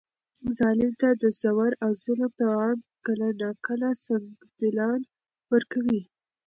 ظالم ته د زور او ظلم توان کله ناکله سنګدلان ورکوي.